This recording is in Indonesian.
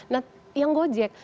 nah yang gojek